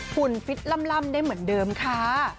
ุ่นฟิตล่ำได้เหมือนเดิมค่ะ